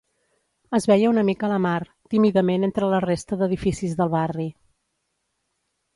Es veia una mica la mar, tímidament entre la resta d'edificis del barri.